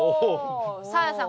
サーヤさん